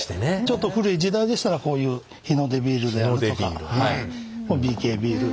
ちょっと古い時代でしたらこういうヒノデビールであるとかＢＫビール。